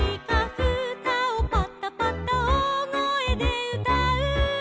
「ふたをバタバタおおごえでうたう」